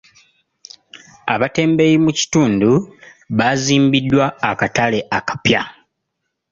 Abatembeeyi mu kitundu baazimbiddwa akatale akapya.